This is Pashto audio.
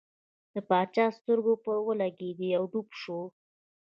د باچا سترګې پر ولګېدې او ډوب شو.